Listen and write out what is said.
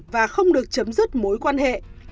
và không được chấm dứt mối quanh